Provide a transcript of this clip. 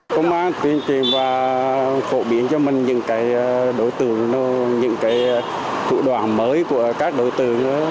công an tuyên truyền và phổ biến cho mình những thủ đoạn mới của các đối tượng